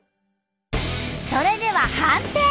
それでは判定。